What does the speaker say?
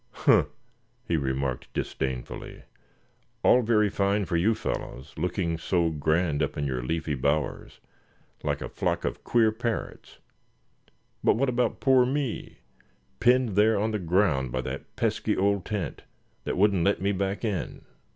"Huh!" he remarked, disdainfully; "all very fine for you fellows, looking so grand up in your leafy bowers, like a flock of queer parrots; but what about poor me, pinned there on the ground by that pesky old tent, that wouldn't let me back in?